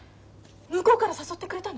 向こうから誘ってくれたの？